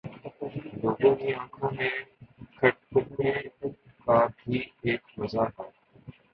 لوگوں کی آنکھوں میں کھٹکنے کا بھی ایک مزہ ہے